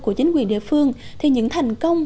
của chính quyền địa phương thì những thành công